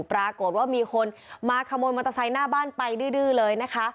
ปรากฏว่ามีคนมาขโมยมอเตอร์ไซค์หน้าบ้านไปดื้อเลยนะคะ